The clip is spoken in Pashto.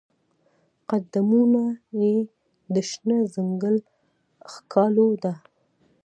قدمونه یې د شنه ځنګل ښکالو ده